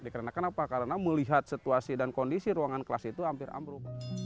karena melihat situasi dan kondisi ruangan kelas itu hampir amro